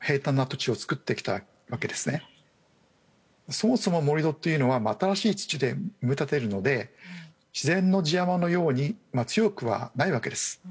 そもそも盛り土っていうのは新しい土で埋め立てるので自然の地山のように強くはないわけです。